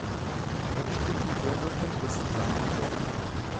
Er bestritt die Vorwürfe bis zu seinem Tod.